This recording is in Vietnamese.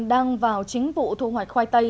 đang vào chính vụ thu hoạch khoai tây